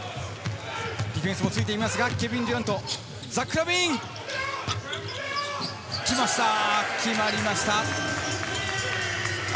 ディフェンスもついていますがケビン・デュラント、ザック・ラビーン決まりました！